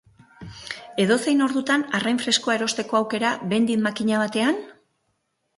Edozein ordutan arrain freskoa erosteko aukera, vending makina batean?